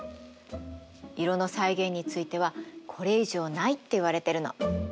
色の再現についてはこれ以上ないっていわれてるの。